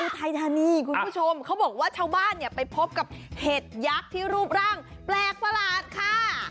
ทัยธานีคุณผู้ชมเขาบอกว่าชาวบ้านเนี่ยไปพบกับเห็ดยักษ์ที่รูปร่างแปลกประหลาดค่ะ